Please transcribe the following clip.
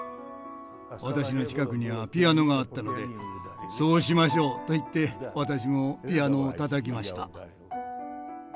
私の近くにはピアノがあったので「そうしましょう」と言って私もピアノを叩きました。